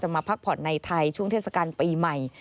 มาพักผ่อนในไทยช่วงเทศกาลปีใหม่